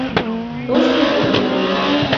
Тошто годым